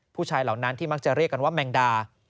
เหล่านั้นที่มักจะเรียกกันว่าแมงดา